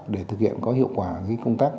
để thực hiện có hiệu quả công tác